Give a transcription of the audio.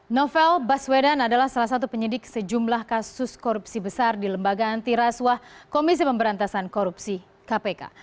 novel baswedan adalah salah satu penyidik sejumlah kasus korupsi besar di lembaga antiraswa komisi pemberantasan korupsi kpk